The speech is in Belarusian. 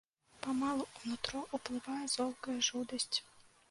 Памалу ў нутро ўплывае золкая жудасць.